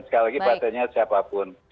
sekali lagi pasiennya siapapun